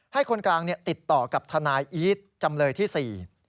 คนกลางติดต่อกับทนายอีทจำเลยที่๔